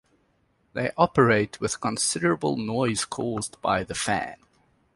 They operate with considerable noise caused by the fan.